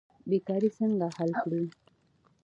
بیکاري څنګه حل کړو؟